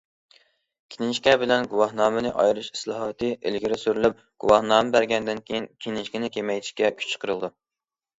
كىنىشكا بىلەن گۇۋاھنامىنى ئايرىش ئىسلاھاتى ئىلگىرى سۈرۈلۈپ، گۇۋاھنامە بەرگەندىن كېيىن كىنىشكىنى كېمەيتىشكە كۈچ چىقىرىلىدۇ.